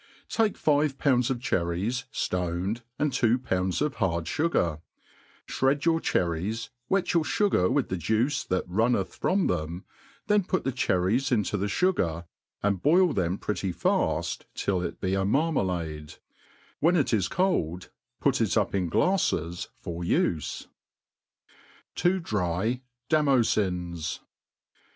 TAKE five pounds of cherries, fioned^ arid tw0 pounds of bard fugar $ (hred your cherries, wet your fugar with the juice that runneth from them ;* then put the cherries into the fugar^ and boil them pretty faft till it be a marmalade | when it is Tf APPENDIX TO THE ART OF COOKERY, ^j To dry Damofnu.